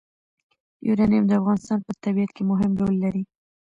یورانیم د افغانستان په طبیعت کې مهم رول لري.